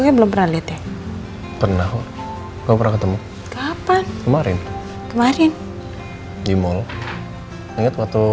sudah coles ajar telinga